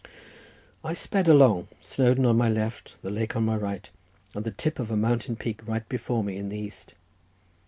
I sped along, Snowdon on my left, the lake on my right, and the tip of a mountain peak right before me in the east.